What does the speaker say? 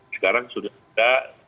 sekarang sudah ada